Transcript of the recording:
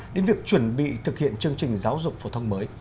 đến việc chuẩn bị thực hiện chương trình giáo dục phổ thông mới